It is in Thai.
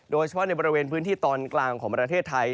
โดยเฉพาะในบริเวณพื้นที่ตอนกลางของประเทศไทย